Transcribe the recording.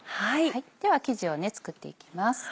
では生地を作っていきます。